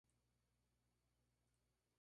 Educado en la Escuela de la Armada Real.